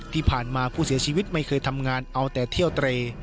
ที่ผ่านมาผู้เสียชีวิตไม่เคยทำงานเอาแต่เที่ยวเตร